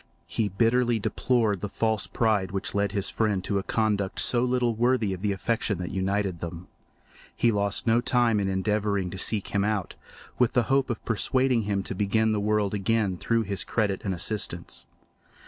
He bitterly deplored the false pride which led his friend to a conduct so little worthy of the affection that united them. He lost no time in endeavouring to seek him out, with the hope of persuading him to begin the world again through his credit and assistance.